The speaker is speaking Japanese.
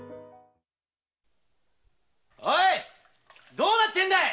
どうなってんだ！